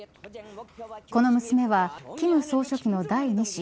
この娘は、金総書記の第２子